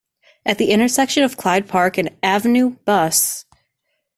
At the intersection with Clyde Park Avenue, Bus.